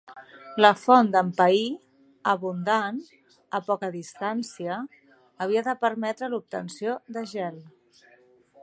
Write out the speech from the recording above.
La font d'en Paí, abundant, a poca distància, havia de permetre l'obtenció de gel.